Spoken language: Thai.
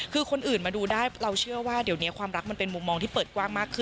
คือคนอื่นมาดูได้เราเชื่อว่าเดี๋ยวนี้ความรักมันเป็นมุมมองที่เปิดกว้างมากขึ้น